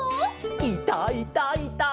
「いたいたいた！」